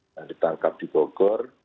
yang ditangkap di bogor